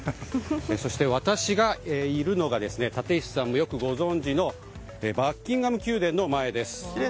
そして、私がいるのが立石さんもよくご存じのバッキンガム宮殿の前です。